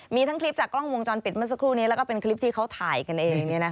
มีทั้งคลิปจากกล้องวงจรปิดเมื่อสักครู่นี้แล้วก็เป็นคลิปที่เขาถ่ายกันเอง